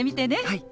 はい！